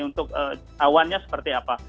untuk awannya seperti apa